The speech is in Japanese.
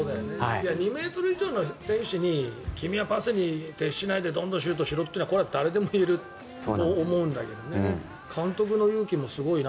２ｍ以上の選手に君はパスに徹しないでどんどんシュートしろというのはこれは誰でも言えると思うんだけど監督の勇気もすごいな。